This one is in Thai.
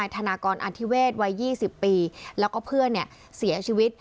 ธนากรอนธิเวศวัย๒๐ปีแล้วก็เพื่อนเสียชีวิต